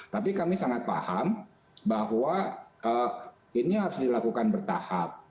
tapi kami sangat paham bahwa ini harus dilakukan bertahap